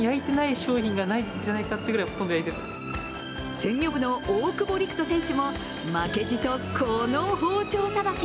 鮮魚部の大久保陸人選手も負けじと、この包丁さばき。